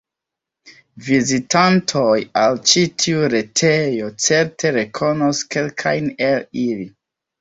Vizitantoj al ĉi tiu retejo certe rekonos kelkajn el ili.